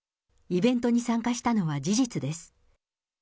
イベントに参加したのは事実です。